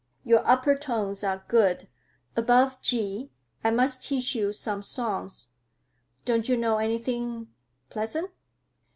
Your upper tones are good, above G. I must teach you some songs. Don't you know anything—pleasant?"